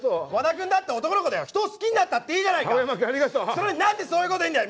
それになんでそういうこと言うんだよ！